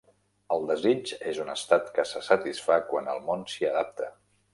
El desig és un estat que se satisfà quan el món s'hi adapta.